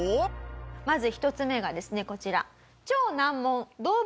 まず１つ目がですねこちら。